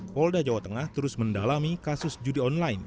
polda jawa tengah terus mendalami kasus judi online